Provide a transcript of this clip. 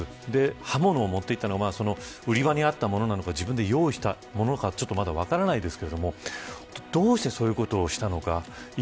刃物を持っていたのは売り場にあったものなのか自分で用意したものなのか分からないですがどうしてそういうことをしたのか。